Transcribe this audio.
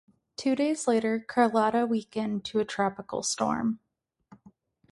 Two days later, Carlotta weakened to a tropical storm.